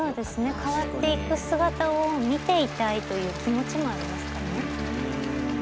変わっていく姿を見ていたいという気持ちもありますからね。